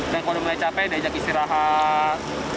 dan kalau mulai capek diajari istirahat